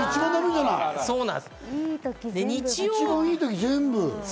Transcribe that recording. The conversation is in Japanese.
一番いい時が全部。